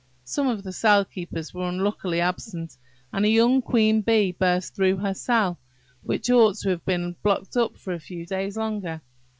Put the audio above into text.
Some of the cell keepers were unluckily absent, and a young queen bee burst through her cell, which ought to have been blocked up for a few days longer.